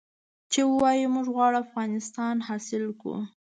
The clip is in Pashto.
چې ووايي موږ غواړو افغانستان حاصل کړو.